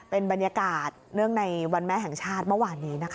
เป็นบรรยากาศเนื่องในวันแม่แห่งชาติเมื่อวานนี้นะคะ